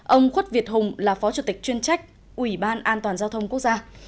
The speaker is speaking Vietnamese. ông khuất việt hùng là phó chủ tịch chuyên trách ủy ban an toàn giao thông quốc gia